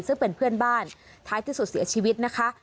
ซึ่งเป็นเพื่อนบ้านท้ายที่สุดเสียชีวิตนะคะ